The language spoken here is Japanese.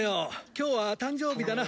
今日は誕生日だな。